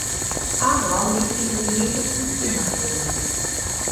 Aarau liegt in der gemässigten Klimazone.